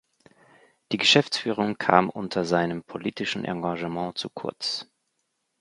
Die Geschäftsführung kam unter seinem politischen Engagement zu kurz.